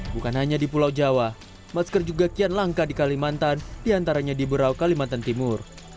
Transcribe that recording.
bukan hanya di pulau jawa masker juga kian langka di kalimantan diantaranya di berau kalimantan timur